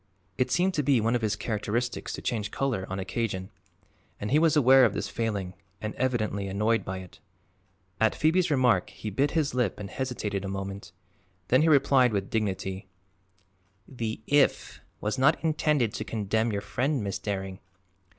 It seemed to be one of his characteristics to change color, on occasion, and he was aware of this failing and evidently annoyed by it. At Phoebe's remark he bit his lip and hesitated a moment. Then he replied with dignity: "The 'if' was not intended to condemn your friend, Miss Daring.